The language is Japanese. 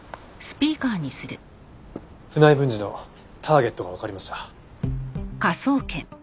船井文治のターゲットがわかりました。